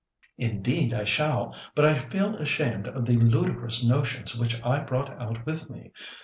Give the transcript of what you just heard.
"Indeed I shall, but I feel ashamed of the ludicrous notions which I brought out with me.